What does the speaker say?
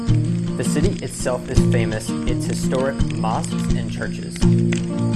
The city itself is famous its historic mosques and churches.